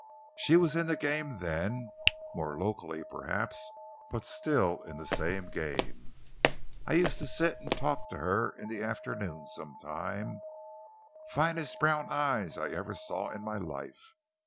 She was in the game then more locally, perhaps, but still in the same game. I used to sit and talk to her in the afternoons sometimes. Finest brown eyes I ever saw in my life.